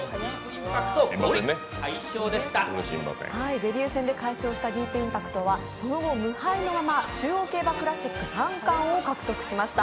デビュー戦で快勝したディープインパクトはその後、無敗のまま中央競馬クラシック三冠を獲得しました。